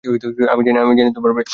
এইতো, আমি জানি তো তুমি পারবে।